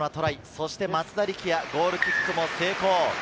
そして松田力也、ゴールキック成功。